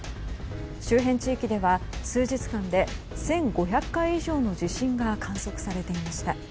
周辺地域では数日間で１５００回以上の地震が観測されていました。